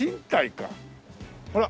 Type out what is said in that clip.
ほら。